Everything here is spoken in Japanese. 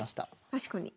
確かに。